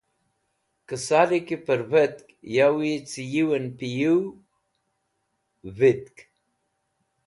Kẽsali ki pẽrvetk yawi cẽ yiwẽn pẽ yiw vitk.